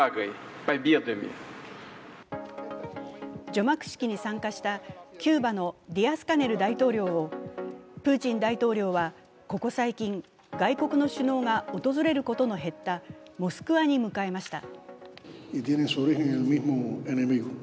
除幕式に参加したキューバのディアスカネル大統領をプーチン大統領は、ここ最近、外国の首脳が訪れることの減ったモスクワに迎えました。